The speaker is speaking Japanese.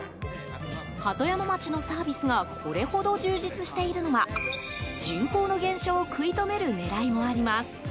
鳩山町のサービスがこれほど充実しているのは人口の減少を食い止める狙いもあります。